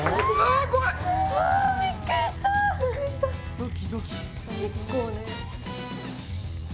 ドキドキ。